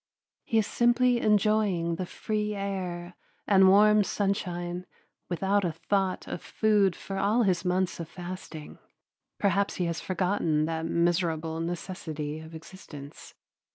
He is simply enjoying the free air and warm sunshine without a thought of food for all his months of fasting. Perhaps he has forgotten that miserable necessity of existence.